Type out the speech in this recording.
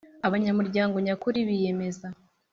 Abanyamuryango nyakuri biyemeza